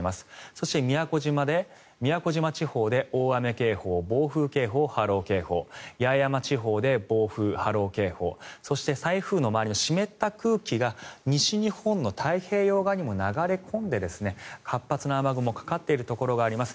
そして、宮古島地方で大雨警報、暴風警報、波浪警報八重山地方で暴風・波浪警報そして台風の周りの湿った空気が西日本の太平洋側にも流れ込んで活発な雨雲がかかっているところがあります。